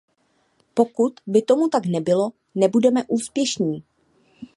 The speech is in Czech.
Pokud by tomu tak nebylo, nebudeme úspěšní.